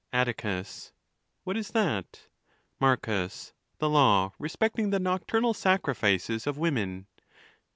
A tticus.—What is that ? Marcus.—The law respecting the nocturnal sacrifices of women.